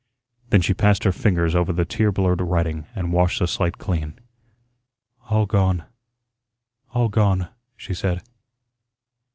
Then she passed her fingers over the tear blurred writing and washed the slate clean. "All gone, all gone," she said.